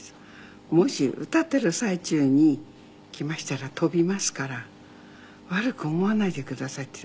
「もし歌っている最中に来ましたら飛びますから悪く思わないでください」って。